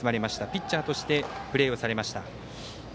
ピッチャーとしてプレーをされました。